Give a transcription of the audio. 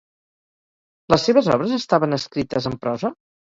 Les seves obres estaven escrites en prosa?